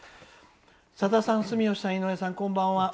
「さださん、住吉さん、井上さんこんばんは。